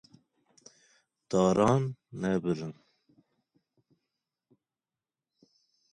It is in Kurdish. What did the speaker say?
Daran ne birin